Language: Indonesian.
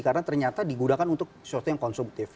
karena ternyata digunakan untuk sesuatu yang konsumtif